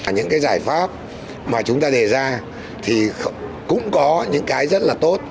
những cái giải pháp mà chúng ta đề ra thì cũng có những cái rất là tốt